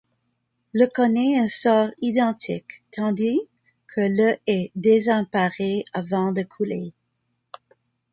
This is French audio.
Le connait un sort identique, tandis que le est désemparé avant de couler.